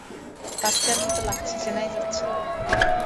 বাচ্চার মত লাগছ, চেনাই যাচ্ছে না।